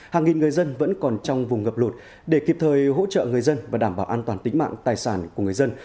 hàng nghìn người dân vẫn còn trong vùng ngập lụt để kịp thời hỗ trợ người dân và đảm bảo an toàn tính mạng tài sản của người dân